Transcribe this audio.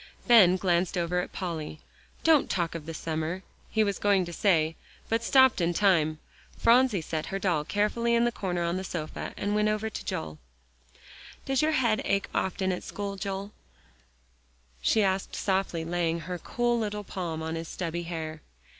Ben glanced over at Polly. "Don't talk of the summer," he was going to say, but stopped in time. Phronsie set her doll carefully in the corner of the sofa, and went over to Joel. "Does your head ache often at school, Joel?" she asked, softly laying her cool little palm on his stubby hair.